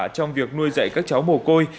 trong việc nuôi dạy các cháu mồ côi